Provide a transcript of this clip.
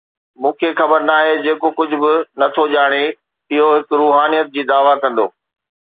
مون کي خبر ناهي، جيڪو ڪجهه به نه ٿو ڄاڻي، اهو هڪ روحانيت جي دعوي ڪندو.